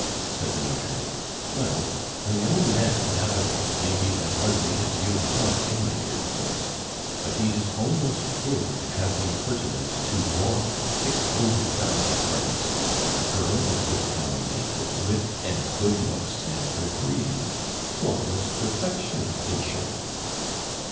said the notary, "well a young man nowadays may be as ugly as you and I, my dear Pons, but he is almost sure to have the impertinence to want six hundred thousand francs, a girl of good family, with wit and good looks and good breeding flawless perfection in short."